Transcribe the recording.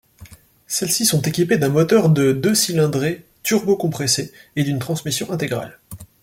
Celles-ci sont équipées d'un moteur de de cylindrée turbocompressé et d'une transmission intégrale.